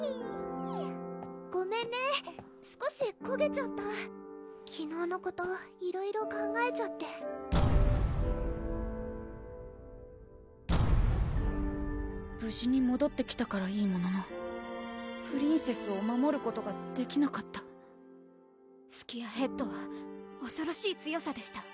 ごめんね少しこげちゃった昨日のこといろいろ考えちゃって無事にもどってきたからいいもののプリンセスを守ることができなかったスキアヘッドはおそろしい強さでした